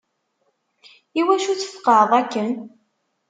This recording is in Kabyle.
Iwacu tfeqeεeḍ akken?